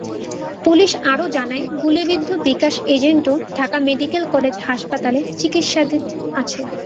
Police আরও জানায়, গুলিবিদ্ধ বিকাশ এজেন্টও ঢাকা মেডিকেল কলেজ হাসপাতালে চিকিত্সাধীন আছেন।